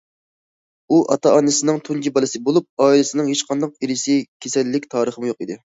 ئۇ ئاتا- ئانىسىنىڭ تۇنجى بالىسى بولۇپ، ئائىلىسىنىڭ ھېچقانداق ئىرسىي كېسەللىك تارىخىمۇ يوق ئىدى.